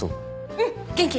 うん元気。